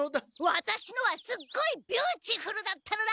ワタシのはすっごいビューチフルだったのだ！